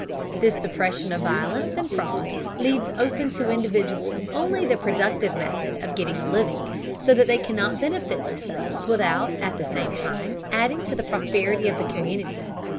This suppression of violence and fraud leaves open to individuals only the productive method of getting a living, so that they cannot benefit themselves without at the same time adding to the prosperity of the community.